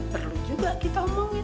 perlu juga kita omongin